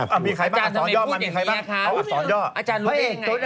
อาจารย์ทำไมพูดอย่างนี้ครับ